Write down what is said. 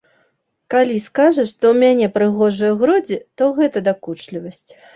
Калі скажа, што ў мяне прыгожыя грудзі, то гэта дакучлівасць.